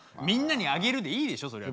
みんなにあげるでいいでしょう？